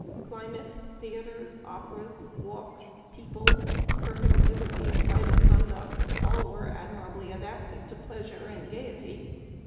Climate, theaters, operas, walks, "people, per fect liberty of private conduct," all were ad mirably adapted to pleasure and gayety.